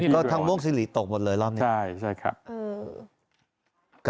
ก็ทางม่วงซิริตกหมดเลยรอบนี้ใช่ครับ